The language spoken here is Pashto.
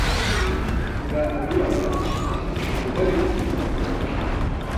_بوډا ته ووايه چې په سيمه کې مو ولې د نجونو مکتب نشته؟